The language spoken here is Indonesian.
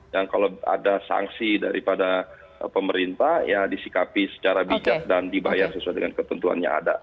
yang kalau ada sanksi daripada pemerintah ya disikapi secara bijak dan dibayar sesuai dengan ketentuan yang ada